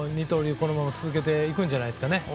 このまま続けていくんじゃないですかね。